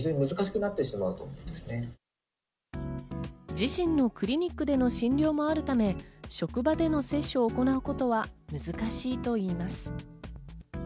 自身のクリニックでの診療もあるため、職場での接種を行うことは難しいといいます。